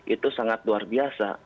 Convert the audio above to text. itu sangat luar biasa